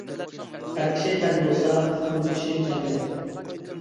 ئەر كىشى تەن بولسا خوتۇن كىشى جاندۇر.